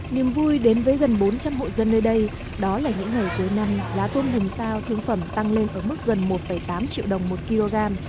niềm vui đến với gần bốn trăm linh hộ dân nơi đây đó là những ngày cuối năm giá tôm hùm sao thương phẩm tăng lên ở mức gần một tám triệu đồng một kg